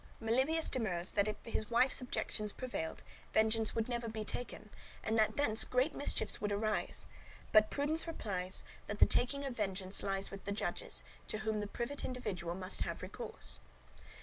Melibœus demurs, that if his wife's objections prevailed, vengeance would never be taken, and thence great mischiefs would arise; but Prudence replies that the taking of vengeance lies with the judges, to whom the private individual must have recourse.